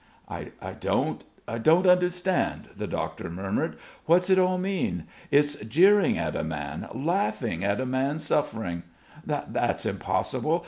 "I don't ... I don't understand," the doctor murmured. "What's it all mean? It's jeering at a man, laughing at a man's suffering! That's impossible....